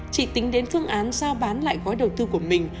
chị tính đến phương án giao bán lại gói đầu tư của mình